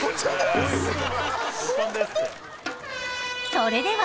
それでは